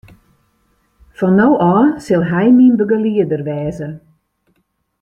Fan no ôf sil hy myn begelieder wêze.